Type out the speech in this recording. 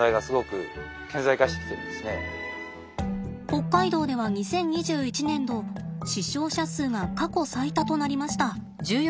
北海道では２０２１年度死傷者数が過去最多となりました。